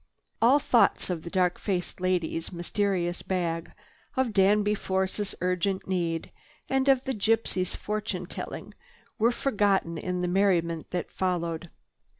All thoughts of the dark faced lady's mysterious bag, of Danby Force's urgent need, and of the gypsies' fortune telling were forgotten in the merriment that followed.